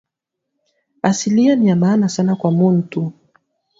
Asilia niya maana sana kwa muntu